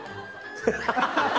ハハハハ！